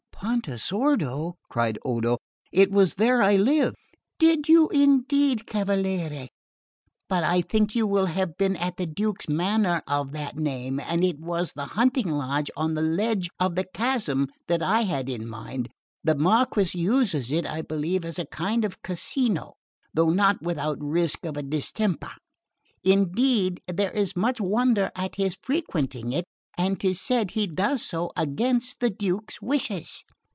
"Pontesordo?" cried Odo. "It was there I lived." "Did you indeed, cavaliere? But I think you will have been at the Duke's manor of that name; and it was the hunting lodge on the edge of the chase that I had in mind. The Marquess uses it, I believe, as a kind of casino; though not without risk of a distemper. Indeed, there is much wonder at his frequenting it, and 'tis said he does so against the Duke's wishes."